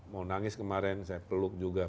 mau nangis kemarin saya peluk juga